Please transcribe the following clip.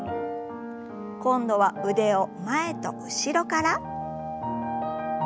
今度は腕を前と後ろから。